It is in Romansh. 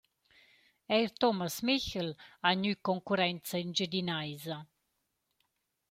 Eir Thomas Michel ha gnü concurrenza engiadinaisa.